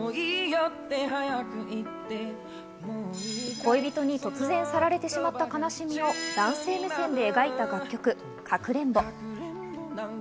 恋人に突然去られてしまった悲しみを男性目線で描いた楽曲『かくれんぼ』。